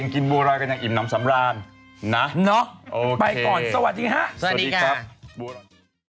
กินบัวร้อยก็ยังอิ่มน้ำสำราญนะเนาะโอเคไปก่อนสวัสดีฮะสวัสดีครับ